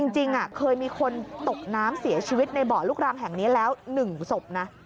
จริงเคยมีคนตกน้ำเสียชีวิตในเบาะลูกรังแห่งนี้แล้ว๑ศพนะ